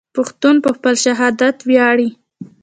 پښتون په خپل شهید ویاړي.